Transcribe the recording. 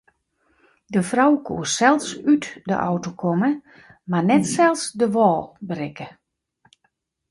De frou koe sels út de auto komme mar net sels de wâl berikke.